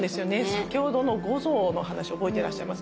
先ほどの五臓のお話覚えていらっしゃいますかね。